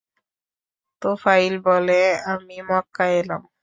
তুফাইল বলেন, আমি মক্কায় এলাম।